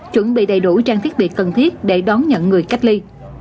chuẩn bị đầy đủ trang thiết bị cần thiết để đón nhận người cách ly